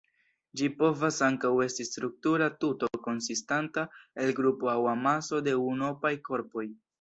Ĝi povas ankaŭ esti struktura tuto konsistanta el grupo aŭ amaso de unuopaj korpoj.